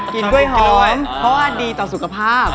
กล้วยหอมเพราะว่าดีต่อสุขภาพ